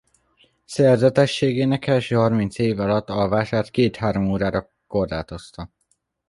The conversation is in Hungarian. Szerzetességének első harminc éve alatt alvását két-három órára korlátozta.